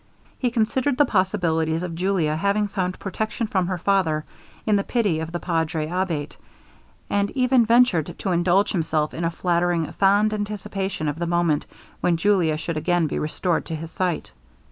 He considered the probabilities of Julia having found protection from her father in the pity of the Padre Abate; and even ventured to indulge himself in a flattering, fond anticipation of the moment when Julia should again be restored to his sight.